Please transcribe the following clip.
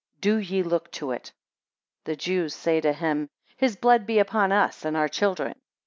do ye look to it. 6 The Jews say to him, His blood be upon us and our children.